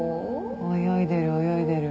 泳いでる泳いでる。